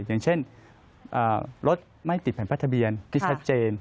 อย่างเช่นรถไม่ติดแผ่นป้ายทะเบียนที่ชัดเจน